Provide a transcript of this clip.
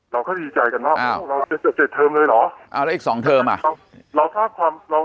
เราก็ดีใจกันเนอะเทอมเลยเหรอแล้วอีก๒เทอมอ่ะ